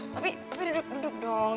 papi duduk duduk dong